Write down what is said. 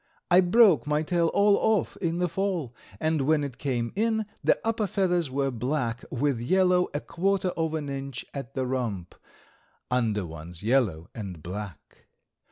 I broke my tail all off in the fall, and when it came in, the upper feathers were black, with yellow a quarter of an inch at the rump; under ones yellow and black.